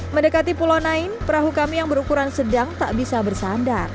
mendekati pulau nain perahu kami yang berukuran sedang tak bisa bersandar